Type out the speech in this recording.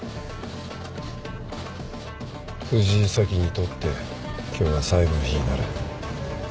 藤井早紀にとって今日は最後の日になる。